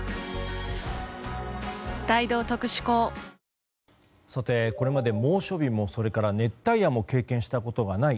ニトリこれまで猛暑日もそれから熱帯夜も経験したことがない